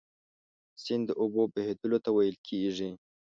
سیند د اوبو بهیدلو ته ویل کیږي.